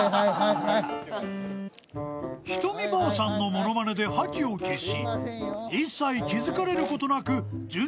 ［ひとみばあさんの物まねで覇気を消し］